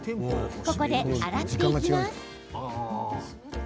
ここで洗っていきます。